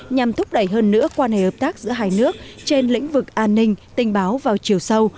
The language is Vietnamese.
nhằm thúc đẩy hơn nữa quan hệ hợp tác giữa hai nước trên lĩnh vực an ninh tình báo vào chiều sâu